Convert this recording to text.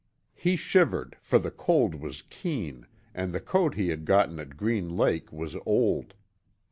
He shivered, for the cold was keen and the coat he had got at Green Lake was old.